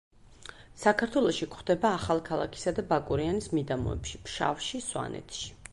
საქართველოში გვხვდება ახალქალაქისა და ბაკურიანის მიდამოებში, ფშავში, სვანეთში.